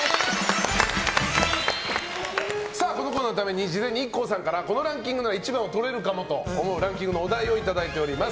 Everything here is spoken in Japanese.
このコーナーのために事前にＩＫＫＯさんからこのランキングなら１番をとれるかもと思うお題をいただいております。